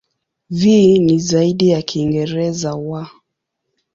V ni zaidi ya Kiingereza "w".